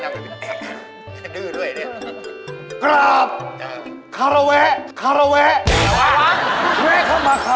อ้อแนะนำ